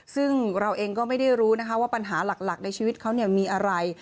ซึ่งเราเองก็ไม่ได้รู้นะคะว่าปัญหาหลักในชีวิตเขามีอะไร